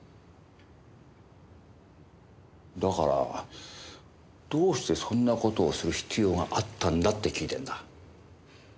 だからどうしてそんな事をする必要があったんだって聞いてんだ。